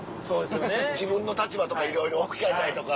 自分の立場とかいろいろ置き換えたりとか。